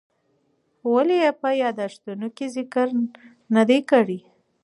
ولې یې په یادښتونو کې ذکر نه دی کړی؟